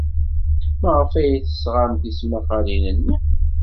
Maɣef ay d-tesɣam tismaqqalin-nni?